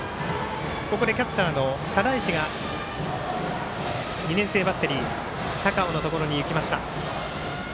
ここでキャッチャーの只石が２年生バッテリー高尾のところにいきました。